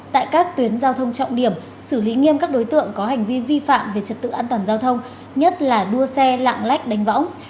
tại các tuyến giao thông trọng điểm xử lý nghiêm các đối tượng có hành vi vi phạm về trật tự an toàn giao thông nhất là đua xe lạng lách đánh võng